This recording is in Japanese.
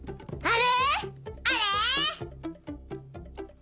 あれ？